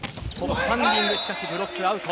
スタンディングしかしブロックアウト。